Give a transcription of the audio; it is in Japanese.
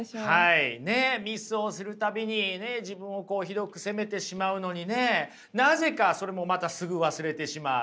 ミスをする度にね自分をひどく責めてしまうのにねなぜかそれもまたすぐ忘れてしまう。